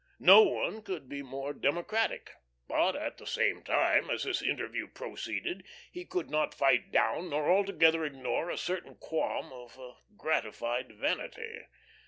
No one could be more democratic. But at the same time, as this interview proceeded, he could not fight down nor altogether ignore a certain qualm of gratified vanity.